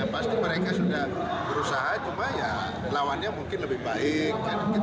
pasti mereka sudah berusaha cuma ya lawannya mungkin lebih baik